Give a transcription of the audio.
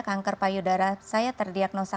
kanker payudara saya terdiagnosa